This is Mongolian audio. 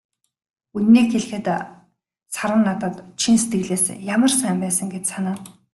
Үнэнийг хэлэхэд, Саран надад чин сэтгэлээсээ ямар сайн байсан гэж санана.